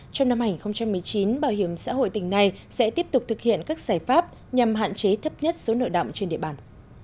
trong năm hai nghìn một mươi chín bảo hiểm xã hội tỉnh này sẽ tiếp tục thực hiện các giải pháp nhằm hạn chế thấp nhất số nợ động trên địa bàn